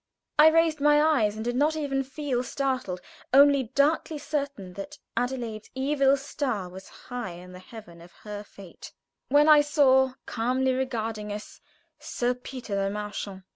I raised my eyes, and did not even feel startled, only darkly certain that Adelaide's evil star was high in the heaven of her fate, when I saw, calmly regarding us, Sir Peter Le Marchant.